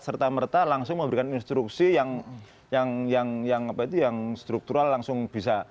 serta merta langsung memberikan instruksi yang struktural langsung bisa